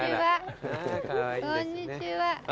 こんにちは。